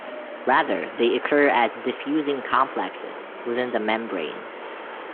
Rather, they occur as diffusing complexes within the membrane.